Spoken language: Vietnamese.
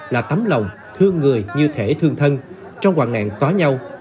là tấm lòng thương người như thể thương thân trong hoàn nạn có nhau